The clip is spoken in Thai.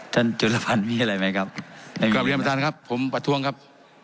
ท่านจุดละพันมีอะไรไหมครับครับเรียมท่านครับผมประทรวงครับ